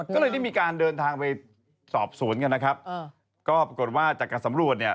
ก็เลยได้มีการเดินทางไปสอบสวนกันนะครับก็ปรากฏว่าจากการสำรวจเนี่ย